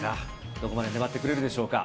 どこまで粘ってくれるでしょうか。